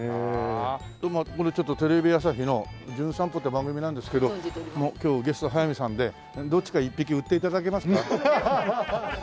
これちょっとテレビ朝日の『じゅん散歩』って番組なんですけど今日ゲスト速水さんでどっちか１匹売って頂けますか？